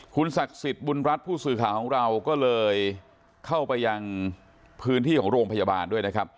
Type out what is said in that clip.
คุณศักดิ์สิทธิ์บุญรัฐผู้สื่อข่าวของเราก็เลยเข้าไปยังพื้นที่ของโรงพยาบาลด้วยนะครับ